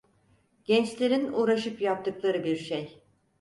Gençlerin uğraşıp yaptıkları bir şey…